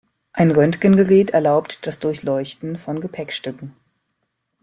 Ein Röntgengerät erlaubt das Durchleuchten von Gepäckstücken.